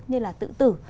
như là tự tử